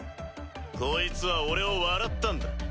こいつは俺を笑ったんだ。